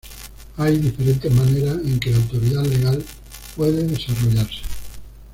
Hay diferentes maneras en que la autoridad legal puede desarrollarse.